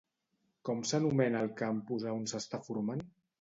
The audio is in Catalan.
Com s'anomena el campus a on s'està formant?